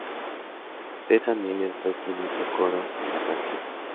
Tessa Niles fue quien hizo coros en la canción.